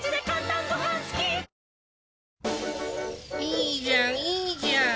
いいじゃんいいじゃん！